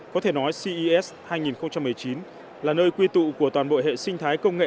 có thể nói ces hai nghìn một mươi chín là nơi quy tụ của toàn bộ hệ sinh thái công nghệ